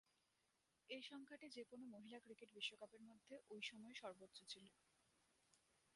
এ সংখ্যাটি যে-কোন মহিলা ক্রিকেট বিশ্বকাপের মধ্যে ঐ সময়ে সর্বোচ্চ ছিল।